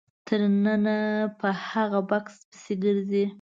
تر ننه په هغه بکس پسې ګرځي.